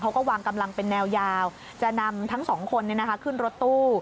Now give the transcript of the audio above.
เขาก็วางกำลังเป็นแนวยาวจะนำทั้งสองคนขึ้นรถตู้